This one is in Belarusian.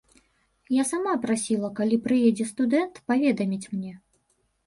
Я сама прасіла, калі прыедзе студэнт, паведаміць мне.